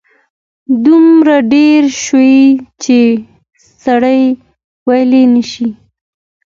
دومره ډېر شوي چې سړی ویلای شي.